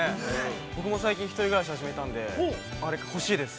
僕も最近１人暮らし始めたんであれ、欲しいです。